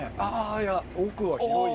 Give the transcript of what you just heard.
いや奥は広い。